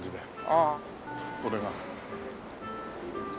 ああこれが。